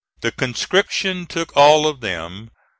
The conscription took all of them.